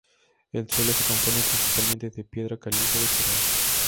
El suelo se compone principalmente de piedra caliza de coral.